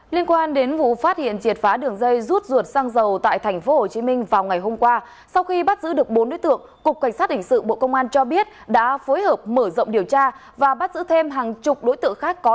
liên quan đến vụ phát hiện triệt phá đường dây rút ruột xăng dầu tại tp hcm vào ngày hôm qua sau khi bắt giữ được bốn đối tượng cục cảnh sát hình sự bộ công an cho biết đã phối hợp mở rộng điều tra và bắt giữ thêm hàng chục đối tượng khác có